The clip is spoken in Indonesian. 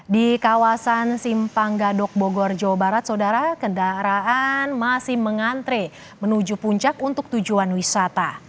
di kawasan simpang gadok bogor jawa barat saudara kendaraan masih mengantre menuju puncak untuk tujuan wisata